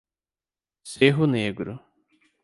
Cerro Negro